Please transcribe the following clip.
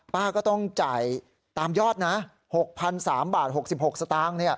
ป้าก็ต้องจ่ายตามยอดนะ๖๓บาท๖๖สตางค์